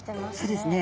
そうですね。